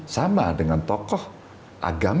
sama dengan tokoh agama